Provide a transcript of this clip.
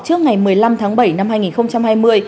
trước ngày một mươi năm tháng bảy năm hai nghìn hai mươi